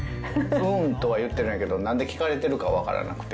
うんとは言ってないけど、なんで聞かれてるか分からなくて、